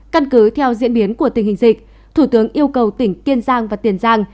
căn cứ theo diễn biến của tình hình dịch thủ tướng yêu cầu tỉnh kiên giang và tiền giang